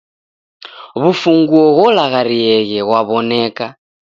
W'ufunguo gholagharieghe ghwaw'oneka